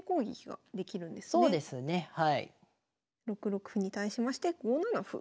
６六歩に対しまして５七歩。